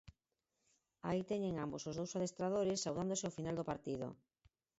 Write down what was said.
Aí teñen a ambos os dous adestradores, saudándose ao final do partido.